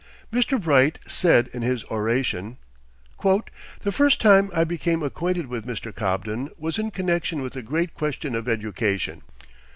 Mr. Bright said in his oration: "The first time I became acquainted with Mr. Cobden was in connection with the great question of education.